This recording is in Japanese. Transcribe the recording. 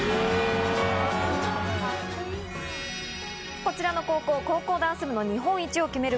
こちらの高校、高校ダンス部の日本一を決める